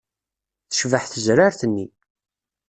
Tecbeḥ tezrart-nni.